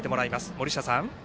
森下さん。